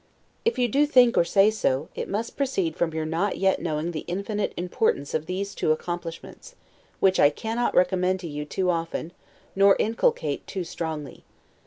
If you do think or say so, it must proceed from your not yet knowing the infinite importance of these two accomplishments, which I cannot recommend to you too often, nor inculcate too strongly.